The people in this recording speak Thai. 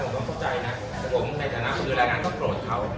ผมก็เข้าใจนะแต่ผมในตอนนั้นก็โกรธเขา